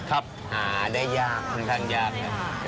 หาได้ยากค่อนข้างยากครับ